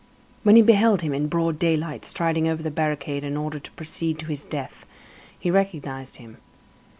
When he beheld him in broad daylight, striding over the barricade in order to proceed to his death, he recognized him.